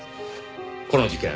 この事件